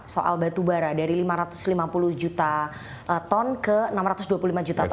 soal batubara dari lima ratus lima puluh juta ton ke enam ratus dua puluh lima juta ton